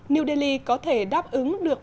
new delhi có thể đáp ứng được